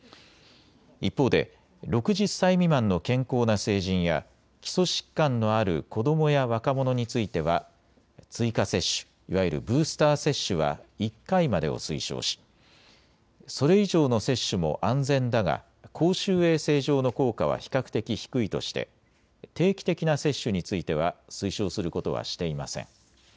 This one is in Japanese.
一方で６０歳未満の健康な成人や基礎疾患のある子どもや若者については追加接種、いわゆるブースター接種は１回までを推奨しそれ以上の接種も安全だが公衆衛生上の効果は比較的低いとして定期的な接種については推奨することはしていません。